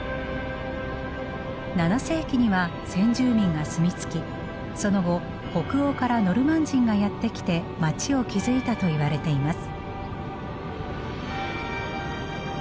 ７世紀には先住民が住み着きその後北欧からノルマン人がやって来て街を築いたといわれています。